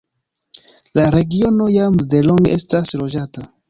La regiono jam delonge estas loĝata.